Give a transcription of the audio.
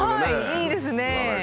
いいですね。